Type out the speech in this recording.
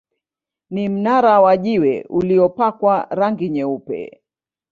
Ni mnara wa jiwe uliopakwa rangi nyeupe.